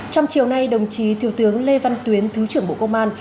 trong chiều nay đồng chí thiếu tướng lê văn tuyến thứ trưởng bộ công an